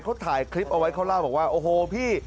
เขาถ่ายคลิปเอาไว้เขาเล่าบอกว่าโอ้โหพี่